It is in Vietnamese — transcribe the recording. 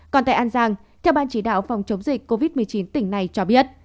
còn tại an giang theo ban chỉ đạo phòng chống dịch covid một mươi chín tỉnh này cho biết